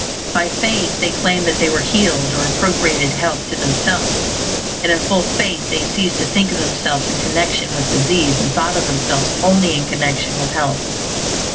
By faith they claimed that they were healed, or appropriated health to themselves; and in full faith they ceased to think of themselves in connection with disease and thought of themselves only in connection with health.